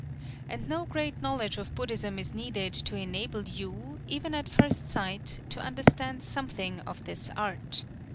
And no great knowledge of Buddhism is needed to enable you, even at first sight, to understand something of this art.